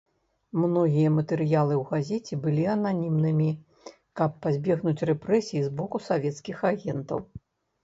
Многія матэрыялы ў газеце былі ананімнымі, каб пазбегнуць рэпрэсій з боку савецкіх агентаў.